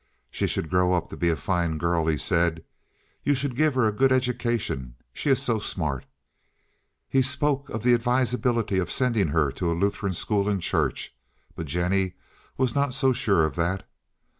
"She should grow up to be a fine girl," he said. "You should give her a good education—she is so smart." He spoke of the advisability of sending her to a Lutheran school and church, but Jennie was not so sure of that.